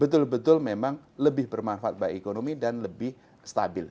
betul betul memang lebih bermanfaat bagi ekonomi dan lebih stabil